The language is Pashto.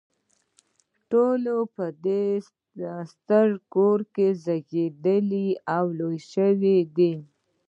ټول په دې ستر کور کې زیږیدلي او لوی شوي دي.